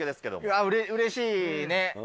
うれしいね。